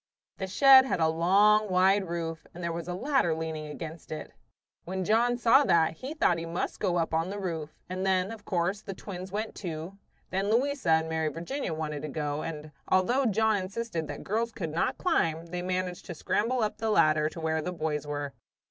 The shed had a long, wide roof, and there was a ladder leaning against it. When John saw that, he thought he must go up on the roof; and then, of course, the twins went, too. Then Louisa and Mary Virginia wanted to go, and although John insisted that girls could not climb, they managed to scramble up the ladder to where the boys were.